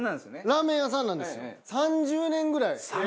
ラーメン屋さんなんですよ。